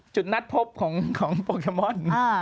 จุดนัดพบของโปเกมอน